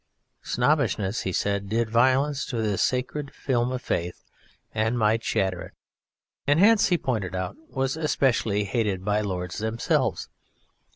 Snobbishness (he said) did violence to this sacred film of faith and might shatter it, and hence (he pointed out) was especially hated by Lords themselves.